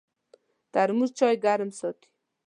ترموز چای ګرم ساتي.